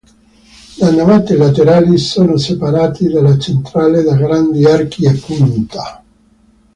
Le navate laterali sono separate dalla centrale da grandi archi a punta.